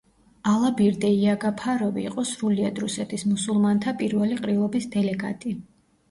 ალაბირდე იაგაფაროვი იყო სრულიად რუსეთის მუსულმანთა პირველი ყრილობის დელეგატი.